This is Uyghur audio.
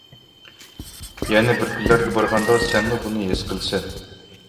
يەنە بىر كۈنلەرگە بارغاندا سەنمۇ بۇنى ھېس قىلىسەن.